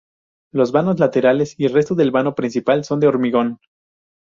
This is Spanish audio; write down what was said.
Los vanos laterales y el resto del vano principal son de hormigón.